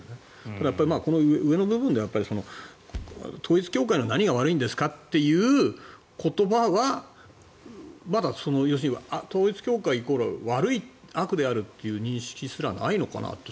ただ、この上の部分で統一教会の何が悪いんですかという言葉は統一教会イコール悪い、悪であるという認識すらないのかなって。